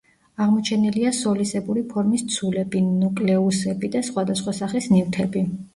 აღმოჩენილია სოლისებური ფორმის ცულები, ნუკლეუსები და სხვადასხვა სახის ნივთები.